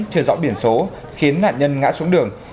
chờ dõi biển số khiến nạn nhân ngã xuống đường